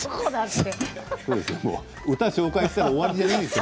歌を紹介したら終わりじゃないんですよ